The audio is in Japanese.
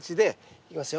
いきますよ。